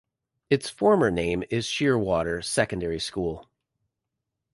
Its former name is Sheerwater Secondary School.